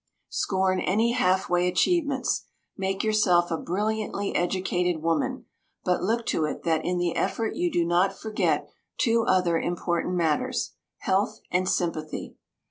Scorn any half way achievements. Make yourself a brilliantly educated woman, but look to it that in the effort you do not forget two other important matters health and sympathy.